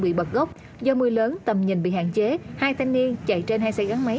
bị bật gốc do mưa lớn tầm nhìn bị hạn chế hai thanh niên chạy trên hai xe gắn máy